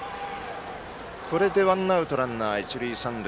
これで、ワンアウトランナー、一塁三塁。